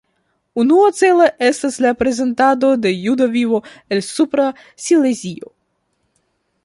Unua celo estas la prezentado de juda vivo el Supra Silezio.